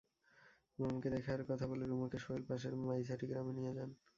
মামাকে দেখার কথা বলে রুমাকে সোহেল পাশের মাইজহাটি গ্রামে নিয়ে যান।